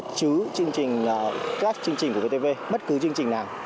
chứ các chương trình của vtv bất cứ chương trình nào